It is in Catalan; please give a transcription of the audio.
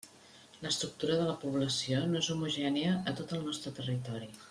L'estructura de la població no és homogènia a tot el nostre territori.